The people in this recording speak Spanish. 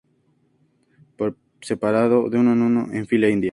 por separado. de uno en uno, en fila india.